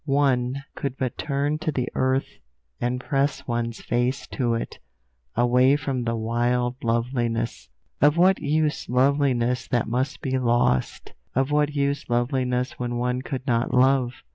One could but turn to the earth, and press one's face to it, away from the wild loveliness. Of what use loveliness that must be lost; of what use loveliness when one could not love?